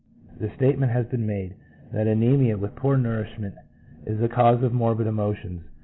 The statement has been made 2 that anemia with poor nourishment is the cause of morbid emotions.